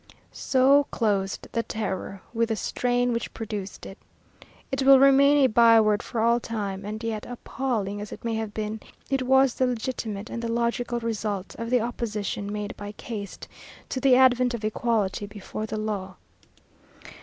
So closed the Terror with the strain which produced it. It will remain a by word for all time, and yet, appalling as it may have been, it was the legitimate and the logical result of the opposition made by caste to the advent of equality before the law.